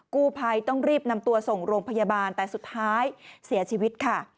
กู้ภัยต้องรีบนำตัวส่งโรงพยาบาลแต่สุดท้ายเสียชีวิตค่ะ